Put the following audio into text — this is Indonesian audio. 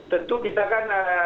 tentu kita kan